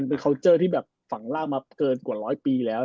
เราเจอที่แบบฝั่งล่างมาเกินกว่า๑๐๐ปีแล้ว